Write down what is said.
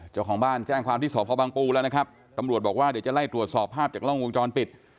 เจ้าของบ้านแจ้งความที่สพบังปูแล้วนะครับตำรวจบอกว่าเดี๋ยวจะไล่ตรวจสอบภาพจากกล้องวงจรปิด